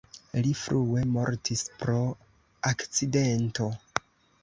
Li frue mortis pro akcidento.